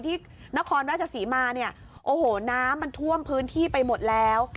ที่นครราชศรีมาเนี่ยโอ้โหน้ำมันท่วมพื้นที่ไปหมดแล้ว